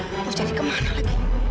mau cari kemana lagi